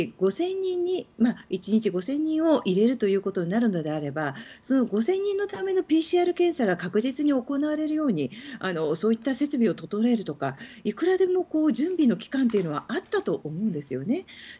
もし、１日５０００人を入れるということになるのであればその５０００人のためのＰＣＲ検査が確実に行われるようにそういった設備を整えるとかいくらでも準備の期間というのはあったと思うんですよね。